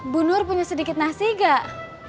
bu nur punya sedikit nasi gak